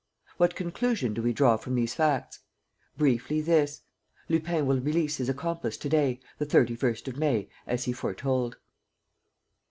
"What conclusion do we draw from these facts? Briefly, this: Lupin will release his accomplice to day, the 31st of May, as he foretold."